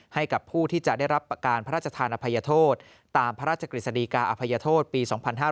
ให้กับผู้ที่จะได้รับประการพระราชธานอภัยโทษตามพระราชกฤษฎีกาอภัยโทษปี๒๕๕๙